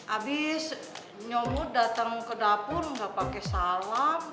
abis nyomud dateng ke dapur gak pake salam